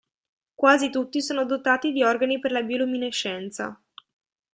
Quasi tutti sono dotati di organi per la bioluminescenza.